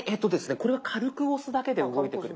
これは軽く押すだけで動いてくれます。